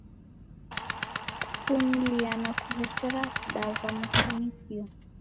Kuvumlia na kuw'esera kudava mafanikio.